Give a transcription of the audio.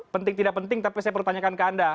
penting tidak penting tapi saya perlu tanyakan ke anda